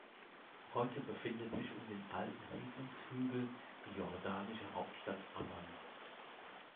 Heute befindet sich um den alten Siedlungshügel die jordanische Hauptstadt Amman.